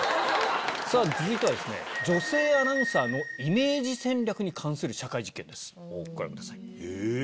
さぁ続いては女性アナウンサーのイメージ戦略に関する社会実験ですご覧ください。